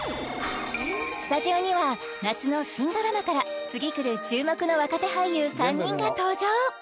スタジオには夏の新ドラマから次くる注目の若手俳優３人が登場